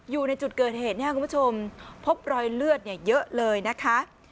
อยู่ในจุดเกิดเหตุเนี่ยคุณผู้ชมพบรอยเลือดเยอะเลยนะคะ